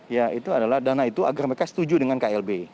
ya itu adalah dana itu agar mereka setuju dengan klb